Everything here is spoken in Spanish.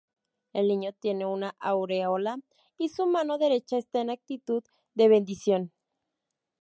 El niño tiene una aureola y su mano derecha está en actitud de bendición.